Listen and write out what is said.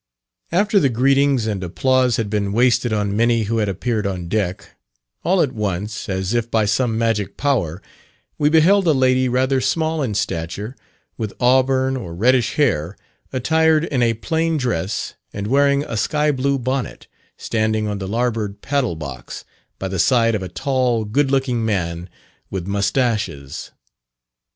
After the greetings and applause had been wasted on many who had appeared on deck, all at once, as if by some magic power, we beheld a lady rather small in stature, with auburn or reddish hair, attired in a plain dress, and wearing a sky blue bonnet, standing on the larboard paddle box, by the side of a tall good looking man, with mustaches.